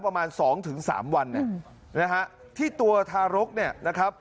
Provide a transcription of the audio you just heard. ประมาณ๒๓วันที่ตัวทารกษ์